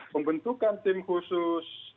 pembentukan tim khusus